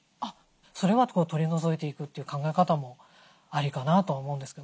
それは取り除いていくという考え方もありかなとは思うんですけど。